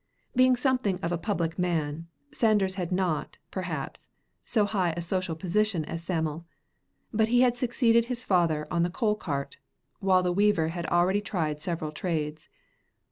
Being something of a public man, Sanders had not, perhaps, so high a social position as Sam'l; but he had succeeded his father on the coal cart, while the weaver had already tried several trades.